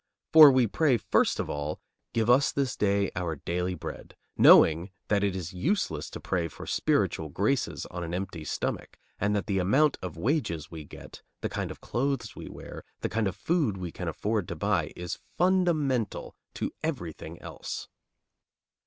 For we pray first of all, "Give us this day our daily bread," knowing that it is useless to pray for spiritual graces on an empty stomach, and that the amount of wages we get, the kind of clothes we wear, the kind of food we can afford to buy, is fundamental to everything else.